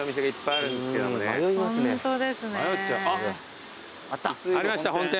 ありました本店。